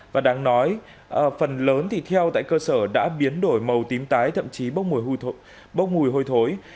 và đáng nói phần lớn thịt heo tại cơ sở đã biến đổi màu tím tái thậm chí bốc mùi hôi thối